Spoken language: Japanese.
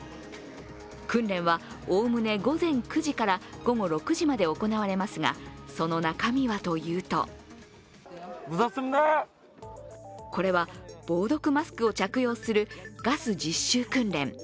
訓練はおおむね午前９時から午後６時まで行われますがその中身はというとこれは防毒マスクを着用するガス実習訓練。